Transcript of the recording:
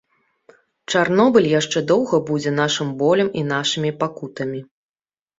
Чарнобыль яшчэ доўга будзе нашым болем і нашымі пакутамі.